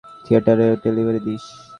থিয়েটারেও delivery this?